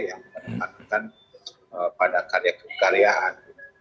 yang menempatkan pada karya karyaan